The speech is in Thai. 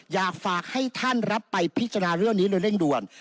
อยากฝากให้ท่านรับไปพิจารณาเรื่องนี้โดยเร่งด่วน